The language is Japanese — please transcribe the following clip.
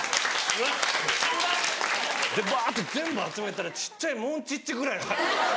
でバっと全部集めたら小っちゃいモンチッチぐらい。